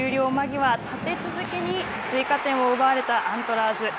終了間際立て続けに追加点を奪われたアントラーズ。